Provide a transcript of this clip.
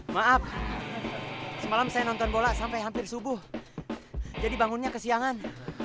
maaf semalam saya nonton bola sampai hampir subuh jadi bangunnya kesiangan